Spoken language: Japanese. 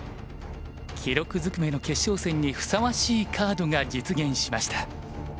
記録ずくめの決勝戦にふさわしいカードが実現しました。